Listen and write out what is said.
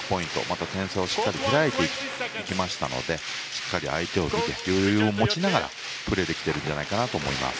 また点差をしっかり開いていきましたのでしっかり相手を見て余裕を持ちながらプレーできているんじゃないかなと思います。